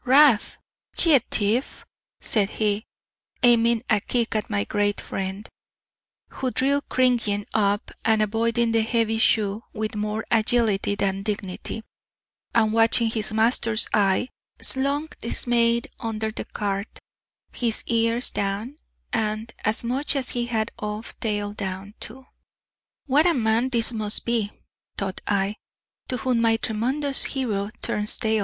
"Rab, ye thief!" said he, aiming a kick at my great friend, who drew cringing up, and avoiding the heavy shoe with more agility than dignity, and watching his master's eye, slunk dismayed under the cart his ears down, and as much as he had of tail down, too. What a man this must be thought I to whom my tremendous hero turns tail!